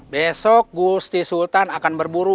besok gusti sultan akan berburu